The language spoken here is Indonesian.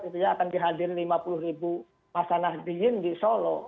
itu ya akan dihadir lima puluh ribu masalah diin di solo